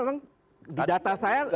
karena di data saya